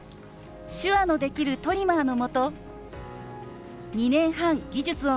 手話のできるトリマーのもと２年半技術を学び